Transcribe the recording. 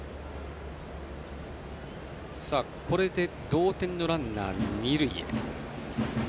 これで同点のランナー二塁へ。